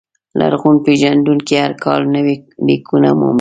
لرغون پېژندونکي هر کال نوي لیکونه مومي.